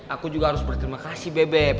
aku juga harus berterima kasih bebek